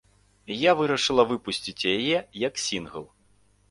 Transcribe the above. Я вырашыла выпусціць яе як сінгл.